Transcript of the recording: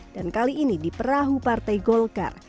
dan kali ini di perahu partai golkar